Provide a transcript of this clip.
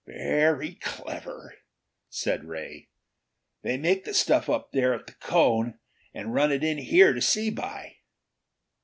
"Very clever!" said Ray. "They make the stuff up there at the cone and run it in here to see by."